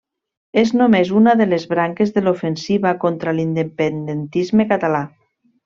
És només una de les branques de l'ofensiva contra l'independentisme català.